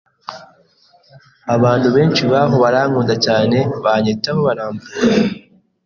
abantu benshi baho, barankunda cyane banyitaho baramvura